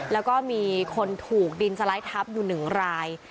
แล้วก็มีคนถูกดินสไลด์ทับอยู่๑ราย